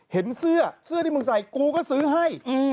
เห็นเสื้อเสื้อที่มึงใส่กูก็ซื้อให้